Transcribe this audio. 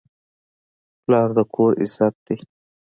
پلار د کور عزت دی.